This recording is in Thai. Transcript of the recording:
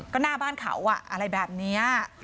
ก็หน้าบ้านเขาอะไรแบบนี้